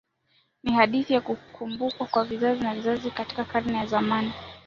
Ni hadithi ya kukumbukwa na vizazi na vizazi Katika Karne ya zamani